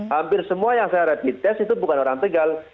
hampir semua yang saya rapid test itu bukan orang tegal